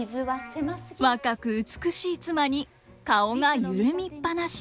若く美しい妻に顔が緩みっぱなし。